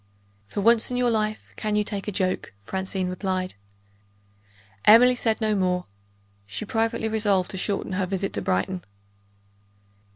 "For once in your life, can you take a joke?" Francine replied. Emily said no more. She privately resolved to shorten her visit to Brighton.